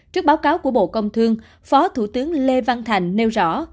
trước báo cáo của bộ công thương phó thủ tướng lê văn thành nêu rõ